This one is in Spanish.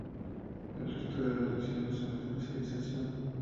El resto de las lecciones son de especialización.